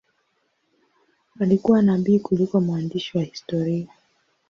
Alikuwa nabii kuliko mwandishi wa historia.